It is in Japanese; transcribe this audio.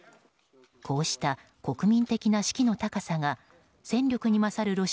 こうした国民的な士気の高さが戦力に勝る